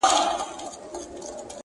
مِکروب د جهالت مو له وجود وتلی نه دی-